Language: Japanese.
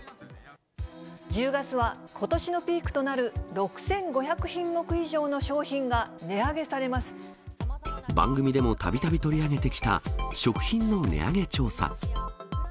１０月はことしのピークとなる６５００品目以上の商品が値上番組でもたびたび取り上げてきた食品の値上げ調査。